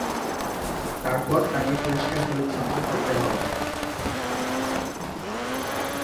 তারপর তাকে পরিষ্কার-পরিছন্ন করতে হবে।